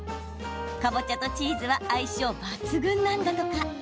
かぼちゃとチーズは相性抜群なんだとか。